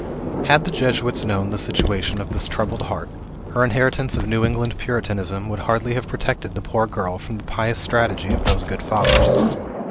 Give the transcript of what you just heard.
Had the Jesuits known the situation of this troubled heart, her inheritance of New England Puritanism would hardly have protected the poor girl from the pious strategy of those good fathers.